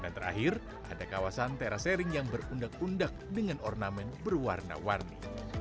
dan terakhir ada kawasan terasering yang berundak undak dengan ornamen berwarna warni